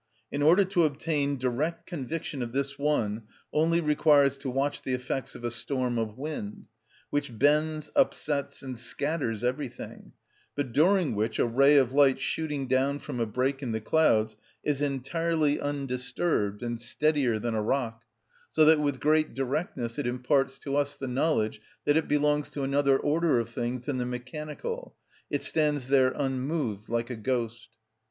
In order to obtain direct conviction of this one only requires to watch the effects of a storm of wind, which bends, upsets, and scatters everything, but during which a ray of light shooting down from a break in the clouds is entirely undisturbed and steadier than a rock, so that with great directness it imparts to us the knowledge that it belongs to another order of things than the mechanical: it stands there unmoved like a ghost.